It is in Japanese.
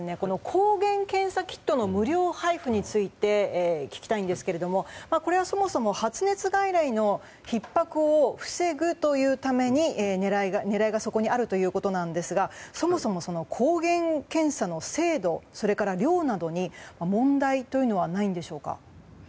抗原検査キットの無料配布について聞きたいんですがこれはそもそも発熱外来のひっ迫を防ぐという狙いがそこにあるということなんですがそもそも抗原検査の精度それから量などに問題はないんでしょうか。